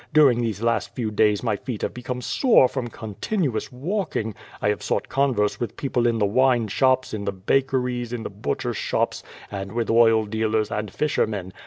During these last few days my feet have become sore from continuous walking. I have sought converse with people in the wine shops, in the bak eries, in the butcher shops, and with oil dealers and fisher men.